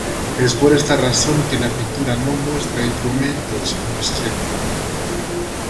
Es por esta razón que la pintura no muestra instrumentos con los que cortar.